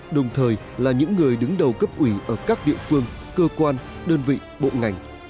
đồng thời là những người đứng đầu cấp ủy ở các địa phương cơ quan đơn vị bộ ngành